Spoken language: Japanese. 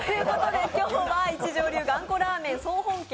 今日は一条流がんこラーメン総本家